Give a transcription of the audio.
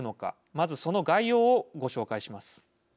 まずその概要をご紹介します。